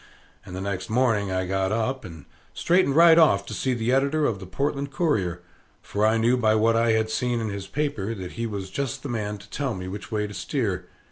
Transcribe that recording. And the next morning I got up, and straightened right off to see the editor of the "Portland Courier," for I knew by what I had seen in his paper, that he was just the man to tell me which way to steer.